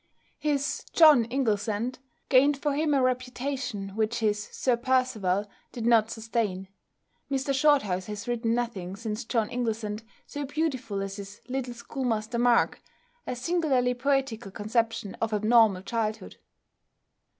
His "John Inglesant" gained for him a reputation which his "Sir Percival" did not sustain. Mr Shorthouse has written nothing since "John Inglesant" so beautiful as his "Little Schoolmaster Mark," a singularly poetical conception of abnormal childhood.